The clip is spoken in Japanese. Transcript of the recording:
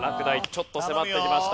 ちょっと迫ってきました。